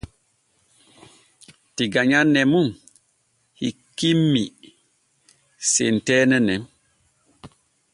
Diga nyanne mun hikkimmi senteene nen.